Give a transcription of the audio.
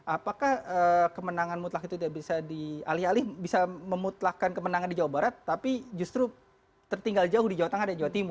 apakah kemenangan mutlak itu bisa di alih alih bisa memutlakan kemenangan di jawa barat tapi justru tertinggal jauh di jawa tengah dari jawa timur